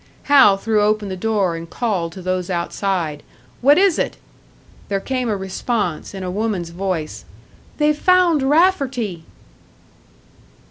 Hal threw open the door and called to those outside "What is it?" There came a response, in a woman's voice, "They've found Rafferty!"